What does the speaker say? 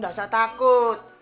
nggak usah takut